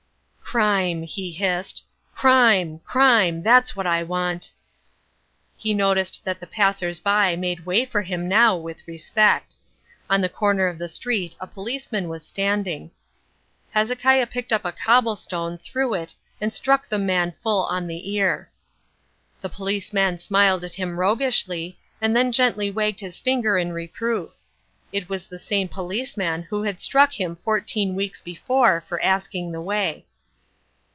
"Crime," he hissed. "Crime, crime, that's what I want." He noticed that the passers by made way for him now with respect. On the corner of the street a policeman was standing. Hezekiah picked up a cobblestone, threw it, and struck the man full on the ear. The policeman smiled at him roguishly, and then gently wagged his finger in reproof. It was the same policeman who had struck him fourteen weeks before for asking the way.